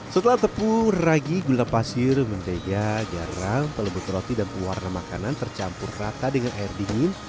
setelah tepung ragi gula pasir mentega garam pelebut roti dan pewarna makanan tercampur rata dengan air dingin